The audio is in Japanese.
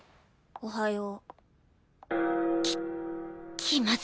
おはよう！